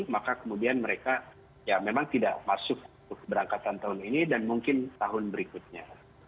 maka kemudian mereka ya memang tidak masuk keberangkatan tahun ini dan mungkin tahun berikutnya